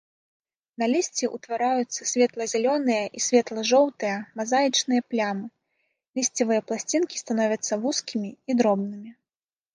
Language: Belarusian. На лісці ўтвараюцца светла-зялёныя і светла-жоўтыя мазаічныя плямы, лісцевыя пласцінкі становяцца вузкімі і дробнымі.